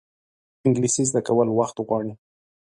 انګلیسي زده کول وخت غواړي